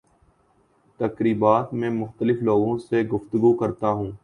تقریبات میں مختلف لوگوں سے گفتگو کرتا ہوں